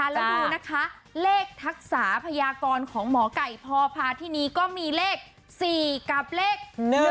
แล้วนะครับแล้วคุณนะคะเลขทักษาพยากรของหมอกัยพอพาร์สที่นี้ก็มีเลข๔กับเลข๑